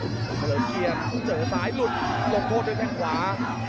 เฉลิงเกียร์เจอสายหลุดตกโทษด้วยแข็งขวา